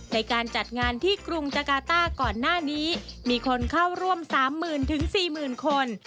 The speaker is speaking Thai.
ในการจัดงานที่กรุงจักราต้าก่อนหน้านี้มีคนเข้าร่วม๓๐๐๐๔๐๐๐คน